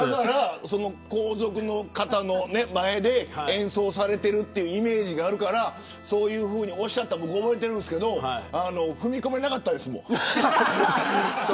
皇族の方の前で演奏されているイメージがあるからそういうふうにおっしゃったことを僕、覚えているんですけど踏み込めなかったです、